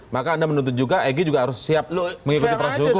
maka anda menuntut juga egy juga harus siap mengikuti proses hukum